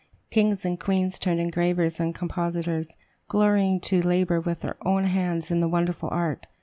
Kings and queens turned engravers and compositors, glorying to labor with their own hands in the wonderful art.